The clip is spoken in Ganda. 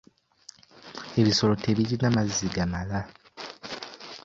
Ebisolo tebirina mazzi gamala.